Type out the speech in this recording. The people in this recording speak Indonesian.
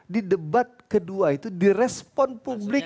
di debat kedua itu di respon publik